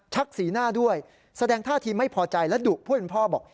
สีหน้าด้วยแสดงท่าทีไม่พอใจและดุผู้เป็นพ่อบอก